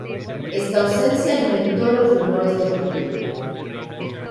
Esta ausencia alimento los rumores de ruptura.